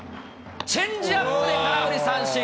チェンジアップで空振り三振。